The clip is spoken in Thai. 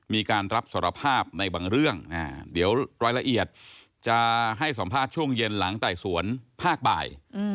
มีการรับสารภาพในบางเรื่องเดี๋ยวรายละเอียดจะให้สัมภาษณ์ช่วงเย็นหลังไต่สวนภาคบ่าย